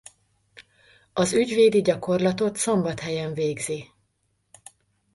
Az ügyvédi gyakorlatot Szombathelyen végzi.